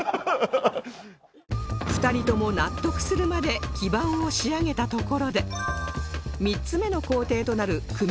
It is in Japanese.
２人とも納得するまで基板を仕上げたところで３つ目の工程となる組み立て作業へ